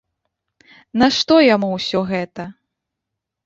Нашто яму ўсё гэта?